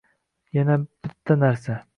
Yana bitta narsa.